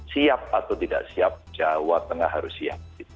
siap atau tidak siap jawa tengah harus siap